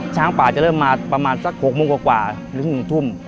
ช้างป่าจะเริ่มมาประมาณสัก๖โมงกว่าถึง๑ทุ่ม